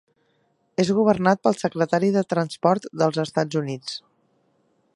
És governat pel Secretari de Transport dels Estats Units.